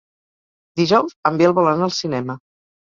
Dijous en Biel vol anar al cinema.